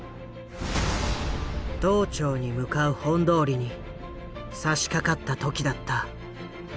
道庁に向かう本通りにさしかかった時だった。